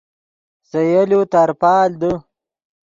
سے یولو ترپال دے